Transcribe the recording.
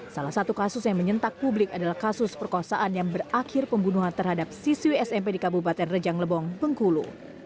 salah satu kasus yang menyentak publik adalah kasus perkosaan yang berakhir pembunuhan terhadap siswi smp di kabupaten rejang lebong bengkulu